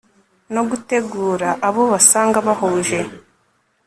no gutegura abo basanga bahuje